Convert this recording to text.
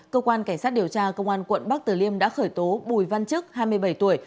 cơ quan cảnh sát điều tra công an quận bắc tử liêm đã khởi tố bùi văn chức hai mươi bảy tuổi